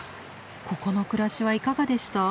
ここの暮らしはいかがでした？